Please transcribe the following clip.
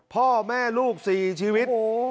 พ่อแม่ลูก๔ชีวิต